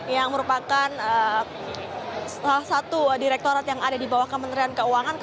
yang merupakan salah satu direktorat yang ada di bawah kementerian keuangan